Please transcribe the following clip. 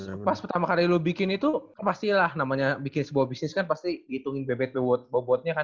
terus pas pertama kali lo bikin itu pastilah namanya bikin sebuah bisnis kan pasti dihitungin bebet bebotnya kan